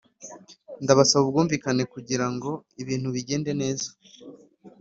ndabasaba ubwumvikane kugirango ibintu bigende neza